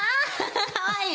かわいい！